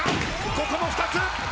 ここも２つ！